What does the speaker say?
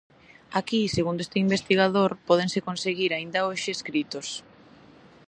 Aquí, segundo este investigador, pódense conseguir aínda hoxe escritos.